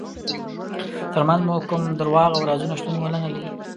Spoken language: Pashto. ترمنځ مو کوم دروغ او رازونه شتون ونلري.